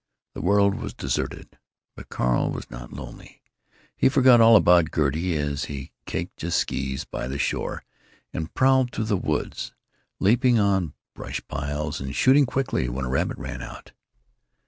The world was deserted. But Carl was not lonely. He forgot all about Gertie as he cached his skees by the shore and prowled through the woods, leaping on brush piles and shooting quickly when a rabbit ran out.